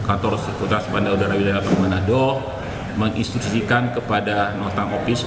otoritas bandara wilayah delapan menado menginstitusikan kepada notam opis